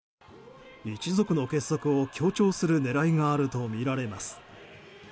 一族の結束を強調する狙いがあるとみられます。